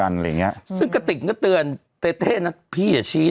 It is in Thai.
อะไรอย่างเงี้ยซึ่งกระติกก็เตือนเต้เต้นะพี่อย่าชี้